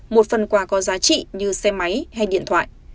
một phần quà có giá trị như xe máy hay điện thoại